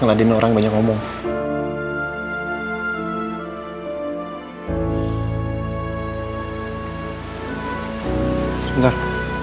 pelan pelan apa sih mas